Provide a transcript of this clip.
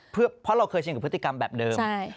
เพราะเราเคยชินกับพฤติกรรมแบบเดิม